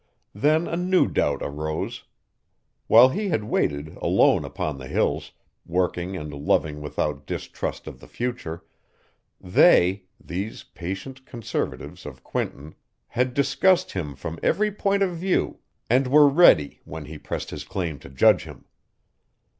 Then a new doubt arose. While he had waited alone upon the Hills, working and loving without distrust of the future, they, these patient conservatives of Quinton, had discussed him from every point of view and were ready when he pressed his claim to judge him.